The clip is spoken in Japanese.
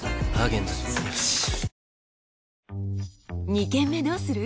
「二軒目どうする？」